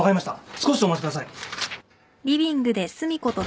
少しお待ちください。